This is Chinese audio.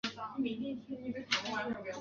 详情可参考职业训练局网站。